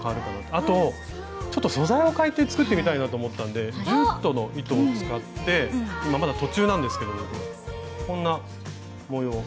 あとちょっと素材をかえて作ってみたいなと思ったんでジュートの糸を使って今まだ途中なんですけどこんな模様。